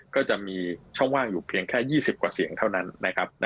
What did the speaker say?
ก็จะมีช่องว่างอยู่เพียงแค่๒๐กว่าเสียงเท่านั้นนะครับ